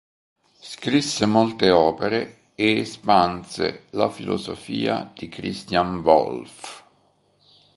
Scrisse molte opere e espanse la filosofia di Christian Wolff.